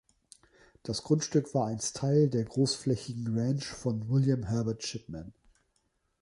Das Grundstück war einst Teil der großflächigen Ranch von William Herbert Shipman.